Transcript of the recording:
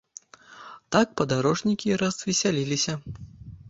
Так падарожнікі й развесяліліся!